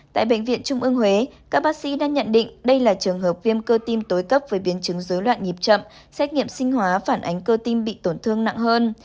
tại bệnh viện trung ương huế các bác sĩ đã nhận định đây là trường hợp viêm cơ tim tối cấp với biến chứng dối loạn nhịp chậm xét nghiệm sinh hóa phản ánh cơ tim bị tổn thương nặng hơn